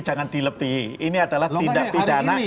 jangan dilebih ini adalah tindak pidana